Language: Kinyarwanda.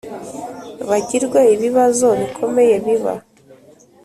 bagirwe Ibibazo bikomeye biba